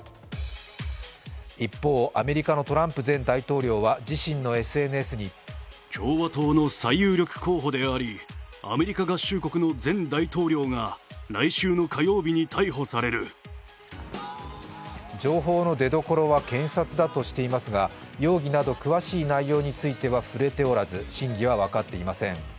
一方、アメリカのトランプ前大統領は自身のＳＮＳに情報の出どころは検察だとしていますが、容疑など詳しい内容には触れておらず、真偽は分かっていません。